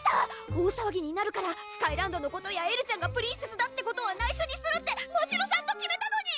大さわぎになるからスカイランドのことやエルちゃんがプリンセスだってことはないしょにするってましろさんと決めたのに！